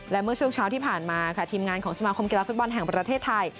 และเมื่อช่วงเช้าที่ผ่านมาค่ะทีมงานของสมาคมกีฬาฟุตบอลแห่งประเทศไทย